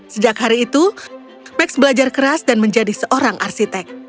sejak hari itu max belajar keras dan menjadi seorang arsitek